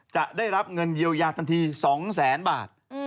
จะได้รับเงินเยียวยาทันที๒แสนบาท